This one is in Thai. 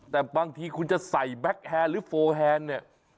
แต่บางทีคุณจะใส่แก๊คแฮนหรือโฟแฮนด์เนี่ย